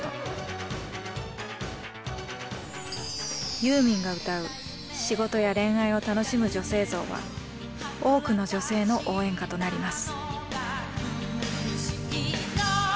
ユーミンが歌う仕事や恋愛を楽しむ女性像は多くの女性の応援歌となります。